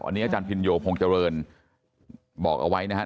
อันนี้อาจารย์พินโยพงษ์เจริญบอกเอาไว้นะครับ